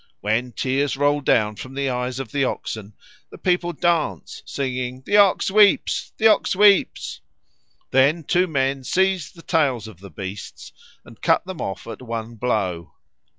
When tears roll down from the eyes of the oxen, the people dance, singing, "The OX weeps! the OX weeps!" Then two men seize the tails of the beasts and cut them off at one blow.